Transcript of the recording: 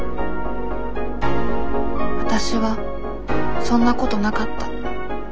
わたしはそんなことなかった。